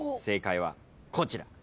正解はこちら。